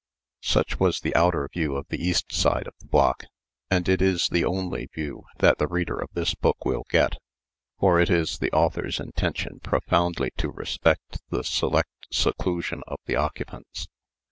Such was the outer view of the east side of the block, and it is the only view that the reader of this book will get; for it is the author's intention profoundly to respect the select seclusion of the occupants.